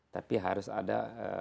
tapi harus ada